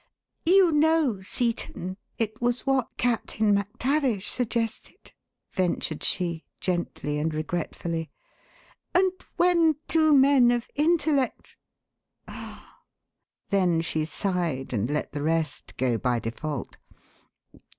"You know, Seton, it was what Captain MacTavish suggested," ventured she, gently and regretfully. "And when two men of intellect " Then she sighed and let the rest go by default.